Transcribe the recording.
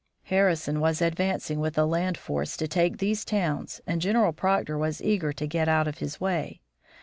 Harrison was advancing with a land force to take these towns and General Proctor was eager to get out of his way.